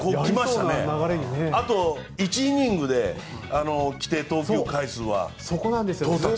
あと１イニングで規定投球回数は到達。